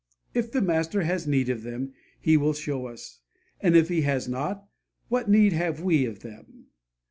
_ If the Master has need of them, He will show us; and if He has not, what need have we of them?